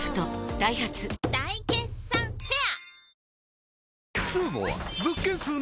ダイハツ大決算フェア